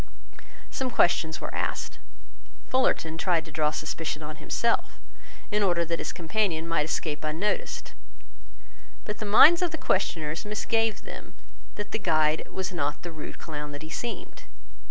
Some questions were asked. Fullarton tried to draw suspicion on himself, in order that his companion might escape unnoticed. But the minds of the questioners misgave them that the guide was not the rude clown that he seemed.